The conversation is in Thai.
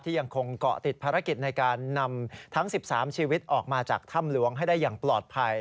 ยังคงเกาะติดภารกิจในการนำทั้ง๑๓ชีวิตออกมาจากถ้ำหลวงให้ได้อย่างปลอดภัย